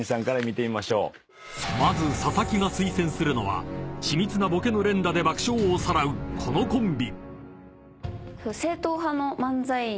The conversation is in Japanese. ［まず佐々木が推薦するのは緻密なボケの連打で爆笑をさらうこのコンビ］